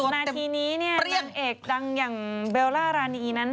นาทีนี้นางเอกดังอย่างเบลล่ารานีอีนั้น